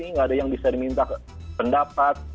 nggak ada yang bisa diminta pendapat